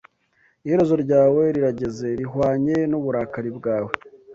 Iherezo ryawe rirageze, rihwanye n’uburakari bwawe